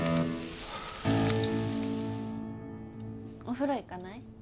お風呂行かない？